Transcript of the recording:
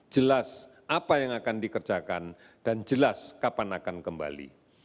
jelas apa yang akan dikerjakan dan jelas kapan akan kembali